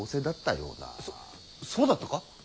そそうだったか？